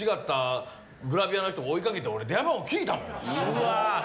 うわ。